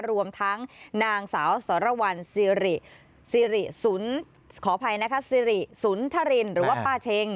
รวมทั้งนางสาวสรวรรณสิริสุนทรินหรือว่าป้าเชง